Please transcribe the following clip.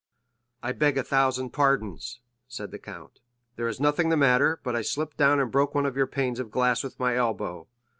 "I beg a thousand pardons," said the count, "there is nothing the matter, but I slipped down and broke one of your panes of glass with my elbow.